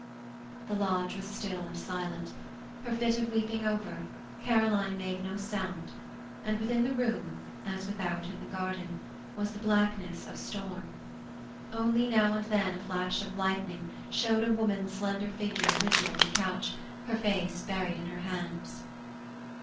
The lodge was still and silent; her fit of weeping over, Caroline made no sound, and within the room, as without in the garden, was the blackness of storm. Only now and then a flash of lightning showed a woman's slender figure rigid on the couch, her face buried in her hands.